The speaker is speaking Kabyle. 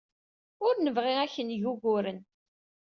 Ur nebɣi ad ak-d-neg uguren.